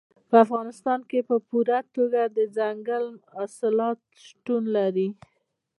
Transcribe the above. په افغانستان کې په پوره توګه دځنګل حاصلات شتون لري.